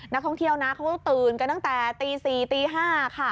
นักท่องเที่ยวนะเขาก็ตื่นกันตั้งแต่ตี๔ตี๕ค่ะ